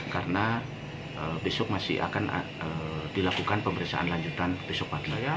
karena besok masih akan dilakukan pemeriksaan lanjutan besok pak tila